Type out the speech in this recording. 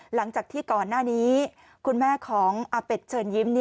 หลังจากที่ก่อนหน้านี้คุณแม่ของอาเป็ดเชิญยิ้ม